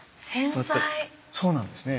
そうなんですね。